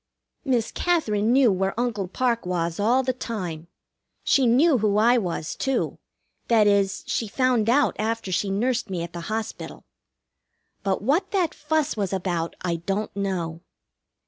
Miss Katherine knew where Uncle Parke was all the time. She knew who I was, too; that is, she found out after she nursed me at the hospital. But what that fuss was about I don't know.